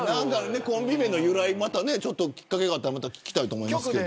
コンビ名の由来、きっかけがあったら聞きたいですね。